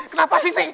kenapa si si